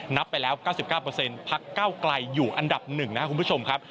นับไปแล้ว๙๙พักเก้าไกลอยู่อันดับ๑นะครับคุณผู้ชมครับ